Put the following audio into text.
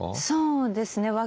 そうですね。